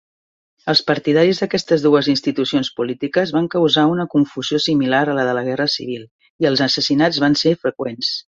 Els partidaris d'aquestes dues institucions polítiques van causar una confusió similar a la de la guerra civil, i els assassinats van ser freqüents.